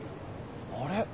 あれ。